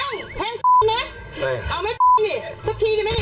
ตอนนี้กลับเลยเพราะทำงานกันเถอะน่ะเพราะทำงานกันเถอะน่ะ